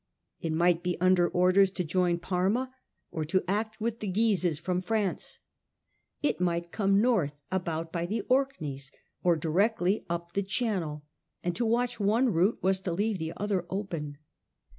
It might be under orders to join Parma, or to act with the Guises from France. It might come north about by the Orkneys or directly up the Channel, and to watch one route was to leave the other open.